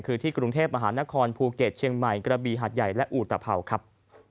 คือที่กรุงเทพมหานครภูเก็ตเชียงใหม่กระบีหาดใหญ่และอุตภัวครับ